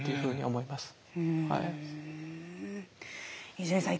伊集院さん